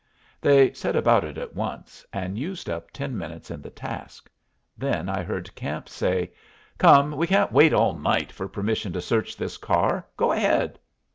They set about it at once, and used up ten minutes in the task. Then I heard Camp say, "Come, we can't wait all night for permission to search this car. Go ahead."